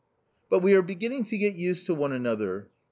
But we are beginning to get used to one another.